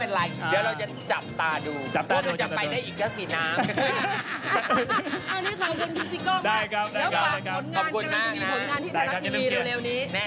เวลาหมดแล้ว